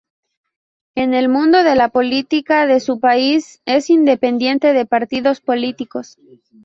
En el mundo de la política de su país, es independiente de partidos políticos.